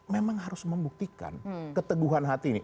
memang harus membuktikan keteguhan hati ini